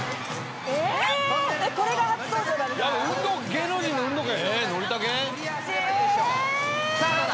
芸能人の運動会」